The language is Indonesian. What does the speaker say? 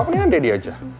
palingan dedi aja